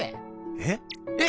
えっ⁉えっ！